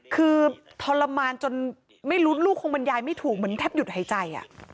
คือทรมานจนไม่รู้ลูกคงบรรยายไม่ถูกเหมือนแทบหยุดหายใจ